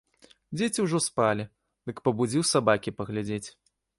Дзеці ўжо спалі, дык пабудзіў сабакі паглядзець.